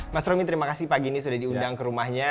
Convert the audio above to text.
mas romi terima kasih pagi ini sudah diundang ke rumahnya